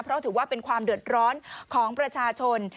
เพราะถือว่าเป็นความเดือดร้อนของประชาชน